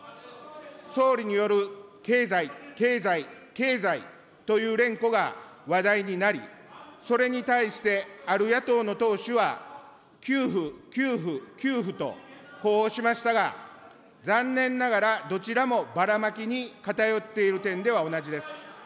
総理による経済、経済、経済という連呼が話題になり、それに対して、ある野党の党首は、給付、給付、給付と呼応しましたが、残念ながらどちらもバラマキに偏っている点では同じです。